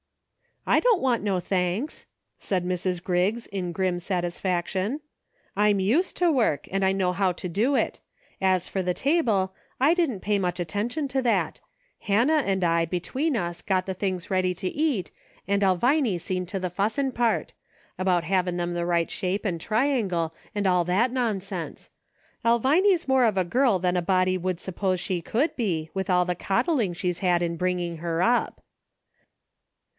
" I don't want no thanks," said Mrs. Griggs, in grim satisfaction ;" I'm used to work, and I know how to do it. As for the table, I didn't pay much attention to that ; Hannah and I, between us, got the things ready to eat, and Elviny seen to the fussin' part — about havin' them the right shape, and triangle, and all that nonsense. Elviny's more of a girl than a body would suppose she could be, with all the coddling she's had in bringing her up."